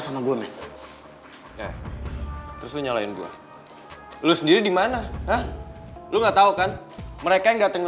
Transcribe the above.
sampai jumpa di video selanjutnya